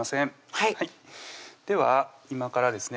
はいでは今からですね